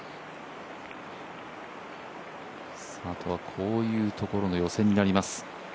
あとはこういうところの予選になります。